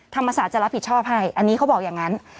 ธรรมศาสตร์จะรับผิดชอบให้อันนี้เขาบอกอย่างนั้น